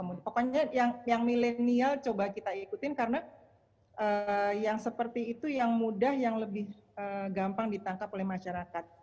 pokoknya yang milenial coba kita ikutin karena yang seperti itu yang mudah yang lebih gampang ditangkap oleh masyarakat